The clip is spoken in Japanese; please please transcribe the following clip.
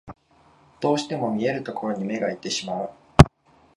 どうしても見えるところに目がいってしまう